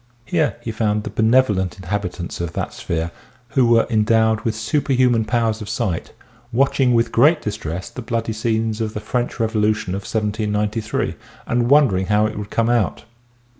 Here he found the benevolent inhabitants 42 EASY LESSONS IN EINSTEIN of that sphere, who were endowed with superhuman powers of sight, watching with great distress the bloody scenes of the French revolution of 1793, and wondering how it would come out.